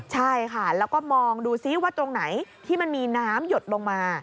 ใช่ค่ะแล้วก็มองดูซิว่าตรงไหนที่มันมีน้ำหยดลงมา